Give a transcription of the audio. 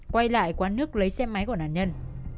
quay lại quán nước lấy xe máy của nạn nhân